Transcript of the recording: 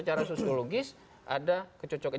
jadi itu yang ideologis ada kecocokan